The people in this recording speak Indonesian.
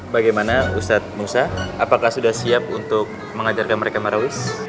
bagaimana ustadz musa apakah sudah siap untuk mengajarkan mereka marawih